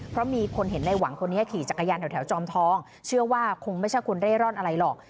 เพราะมีคนเห็นในหวังคนนี้ขี่จักรยานแถวจอมทองเชื่อว่าคงไม่ใช่คนเร่ร่อนอะไรหรอก